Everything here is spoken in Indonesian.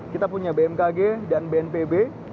kita punya bmkg dan bnpb